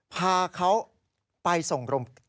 พาเขาไปส่งโรงพยาบาล